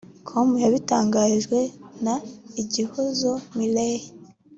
com yabitangarijwe na Igihozo Miley